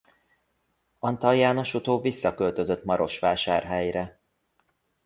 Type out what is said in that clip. Antal János utóbb visszaköltözött Marosvásárhelyre.